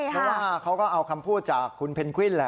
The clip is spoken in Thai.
เพราะว่าเขาก็เอาคำพูดจากคุณเพนกวินแหละ